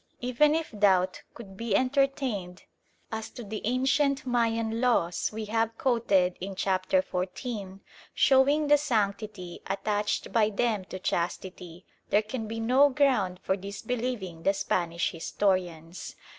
Even if doubt could be entertained as to the ancient Mayan laws we have quoted in Chapter XIV. showing the sanctity attached by them to chastity, there can be no ground for disbelieving the Spanish historians.